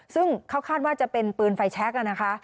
ซึ่งเขาคาดว่าจะเป็นปืนไฟแชคนะคะ